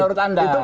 itu menurut anda